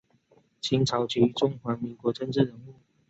清朝及中华民国政治人物。